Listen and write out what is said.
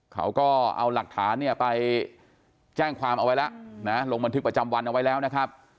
เขาก็เอาหลักฐานเนี่ยไปแจ้งความเอาไว้แล้วนะลงบันทึกประจำวันเอาไว้แล้วนะครับ